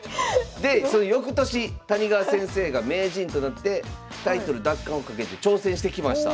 でそのよくとし谷川先生が名人となってタイトル奪還をかけて挑戦してきました。